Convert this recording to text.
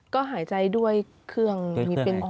ก็หายใจด้วยเครื่องมีเป็นออก